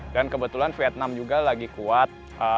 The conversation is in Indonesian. dan kebetulan vietnam juga lagi kuat